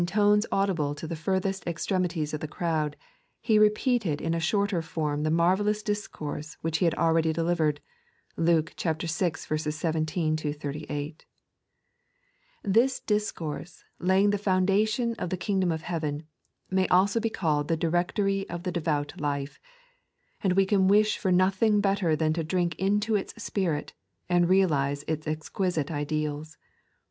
a.t.zsdt,y Google 12 Ihtroductoet. tones audible to the furthest extremities of the crowd, He repeated in a shorter form the marvellous discourse which He had abeady delivered (Lute vi. 17 38). This discourse, laying the foundation of the Kingdom of Heaven, may also be called the Directory of the Devout Life, and we can wish for nothing better than to drink into its spirit, and realize its exquisite ideals.